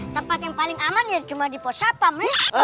tempat yang paling aman ya cuma di posapam